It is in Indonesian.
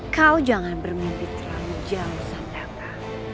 kau jangan bermimpi terlalu jauh sandara